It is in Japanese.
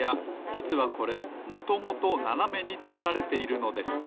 じつはこれもともとななめにつくられているのです。